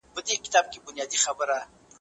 د خوړو وروسته لږ قدم وهل ښه دي.